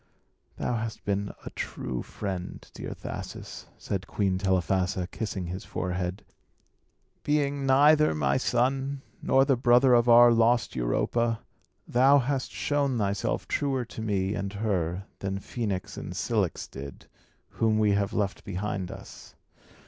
"Thou hast been a true friend, dear Thasus," said Queen Telephassa, kissing his forehead. "Being neither my son, nor the brother of our lost Europa, thou hast shown thyself truer to me and her than Phœnix and Cilix did, whom we have left behind us.